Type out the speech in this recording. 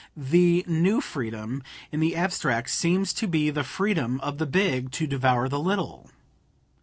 The "New Freedom" in the abstract seems to be the freedom of the big to devour the little.